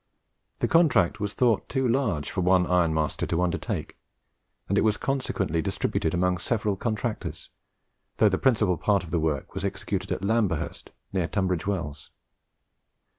The contract was thought too large for one iron master to undertake, and it was consequently distributed amongst several contractors, though the principal part of the work was executed at Lamberhurst, near Tunbridge Wells.